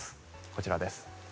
こちらです。